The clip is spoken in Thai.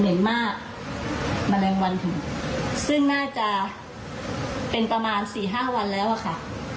โอ้โหนี่ค่ะ